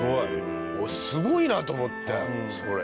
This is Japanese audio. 俺すごいな！と思ってそれ。